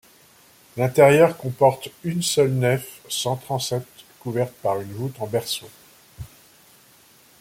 L’intérieur comporte une seule nef sans transept couverte par une voûte en berceau.